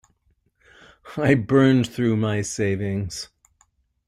I burned through my savings.